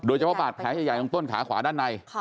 โดยเฉพาะปากแผลขยายตรงต้นขาขวาด้านใน